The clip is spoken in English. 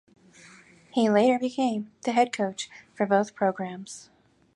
He later became the head coach for both programs.